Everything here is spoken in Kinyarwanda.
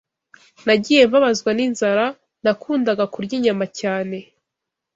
Nagiye mbabazwa n’inzara, nakundaga kurya inyama cyane